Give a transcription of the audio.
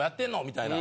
みたいな。